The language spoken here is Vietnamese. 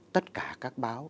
tất cả các báo